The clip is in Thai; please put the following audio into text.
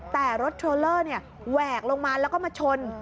แต่รถเทรลเลอร์แหวกลงมาแล้วก็มาชน